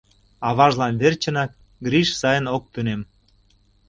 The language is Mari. Аважлан верчынак Гриш сайын ок тунем.